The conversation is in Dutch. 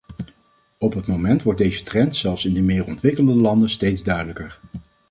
Op het moment wordt deze trend zelfs in de meer ontwikkelde landen steeds duidelijker.